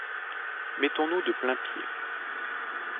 Mettons-nous de plainpied.